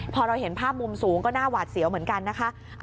พอเราเห็นภาพมุมสูงก็น่าหวาดเสียวเหมือนกันนะคะ